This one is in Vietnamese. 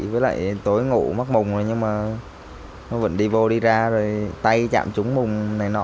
với lại tối ngủ mắc mùng nhưng mà nó vẫn đi vô đi ra rồi tay chạm trúng mùng này nọ